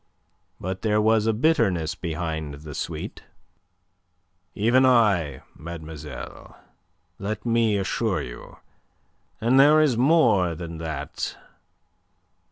But there was a bitterness behind the sweet. "Even I, mademoiselle, let me assure you. And there is more than that.